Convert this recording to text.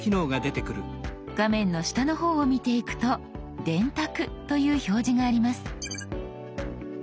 画面の下の方を見ていくと「電卓」という表示があります。